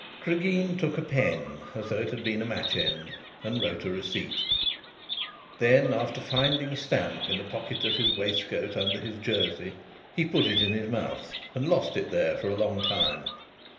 Cregeen took a pen as though it had been a match end and wrote a receipt. Then, after finding a stamp in a pocket of his waistcoat under his jersey, he put it in his mouth and lost it there for a long time.